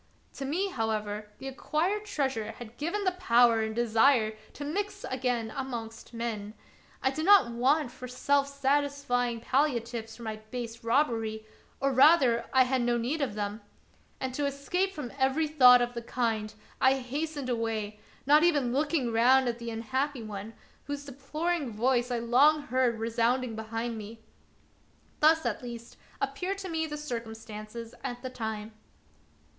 To me, however, the acquired treasure had given the power and desire to mix again amongst men. I did not want for self satisfying palliatives for my base robbery, or, rather, I had no need of them ; and to escape from every thought of the kind, I hastened away, not even looking round at the unhappy one, whose deploring voice I long heard resounding behind me. Thus, at least, appeared to me the circumstances at the time.